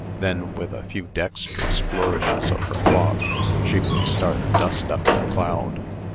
Then, with a few dexterous flourishes of her cloth, she would start the dust up in a cloud.